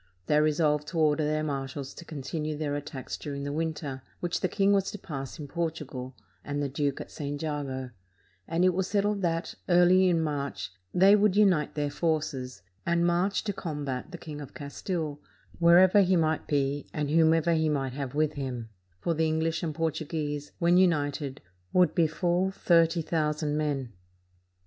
They resolved to order their marshals to continue their attacks during the win ter, which the king was to pass in Portugal, and the duke at St. Jago; and it was settled that, early in March, they would unite their forces, and march to combat the King of Castile, wherever he might be, and whomever he might have with him; for the English and Portuguese, when united, would be full thirty thousand men.